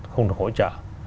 không được hỗ trợ